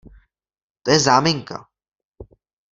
To je záminka!